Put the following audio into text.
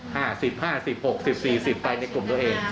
๕๑๕๑๖๑๔๑๐ฝ่ายในกลุ่มตัวเอง